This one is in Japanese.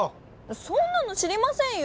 そんなの知りませんよ！